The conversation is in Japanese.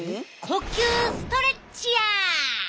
呼吸ストレッチや！